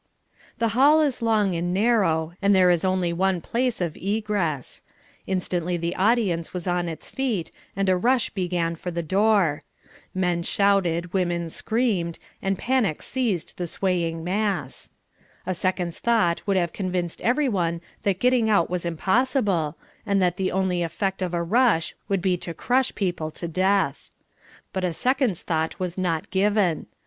The hall is long and narrow, and there is only one place of egress. Instantly the audience was on its feet, and a rush began for the door. Men shouted, women screamed, and panic seized the swaying mass. A second's thought would have convinced every one that getting out was impossible, and that the only effect of a rush would be to crash people to death. But a second's thought was not given.